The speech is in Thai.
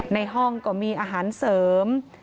ในห้องก็มีอาหารเสริม